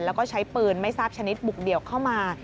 แล้วก็ใช้ปืนไม่ทราบชนิดบุกเดี่ยวเข้ามา